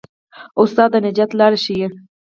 استاد د نجات لار ښيي.